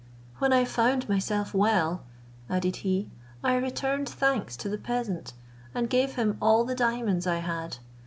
"When I found myself well," added he, "I returned thanks to the peasant, and gave him all the diamonds I had.